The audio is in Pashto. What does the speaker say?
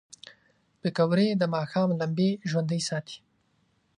پکورې د ماښام لمبې ژوندۍ ساتي